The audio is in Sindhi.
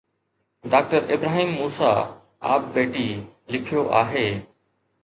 ڊاڪٽر ابراهيم موسيٰ ”آپ بيٽي“ لکيو آهي.